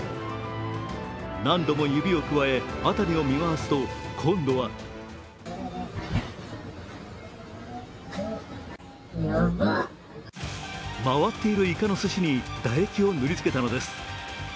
何度も指をくわえ、辺りを見渡すと今度は回っているいかのすしに唾液を塗り付けたのです。